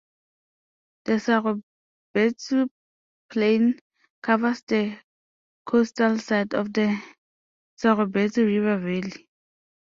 The Sarobetsu Plain covers the coastal side of the Sarobetsu River Valley.